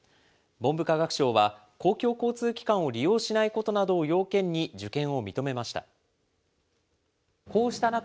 文部科学省は、公共交通機関を利用しないことなどを要件に、受験を認めました。